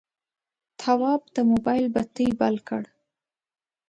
تواب د موبایل بتۍ بل کړه.